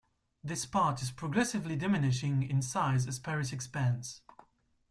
This part is progressively diminishing in size as Paris expands.